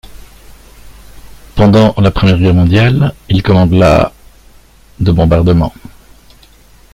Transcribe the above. Pendant la Première Guerre mondiale, il commande la de bombardement.